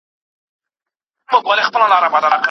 پوهه لرونکې مور ماشوم ته پاکې اوبه ورکوي.